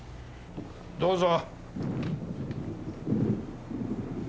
どうぞ。